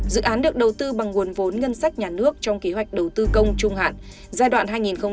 dự án được đầu tư bằng nguồn vốn ngân sách nhà nước trong kế hoạch đầu tư công trung hạn giai đoạn hai nghìn một mươi sáu hai nghìn hai mươi